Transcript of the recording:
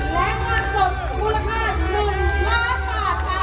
และงานสดมูลค่าหนึ่งล้านบาทค่ะ